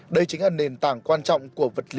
đây chính là nền tảng quan trọng của vật thể đó